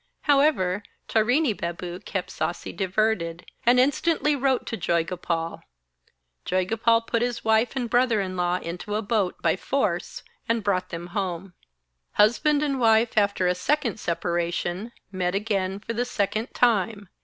However, Tarini Babu kept Sasi diverted, and instantly wrote to Joygopal. Joygopal put his wife and brother in law into a boat by force, and brought them home. Husband and wife, after a second separation, met again for the second time!